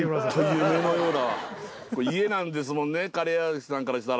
これ家なんですもんね假屋崎さんからしたら。